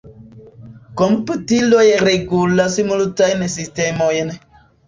Komputiloj regulas multajn sistemojn.